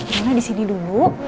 rina di sini dulu